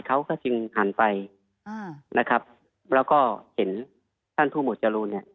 เขาก็จึงหันไปอ่านะครับแล้วก็เห็นท่านผู้หวดจรูนเนี่ย